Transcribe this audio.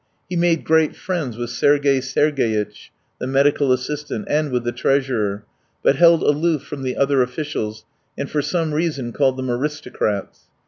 He made great friends with Sergey Sergeyitch, the medical assistant, and with the treasurer, but held aloof from the other officials, and for some reason called them aristocrats.